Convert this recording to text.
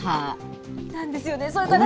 なんですよね。